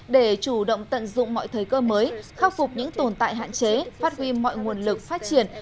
để chủ động tận dụng mọi thời cơ mới khắc phục những tồn tại hạn chế phát huy mọi nguồn lực phát triển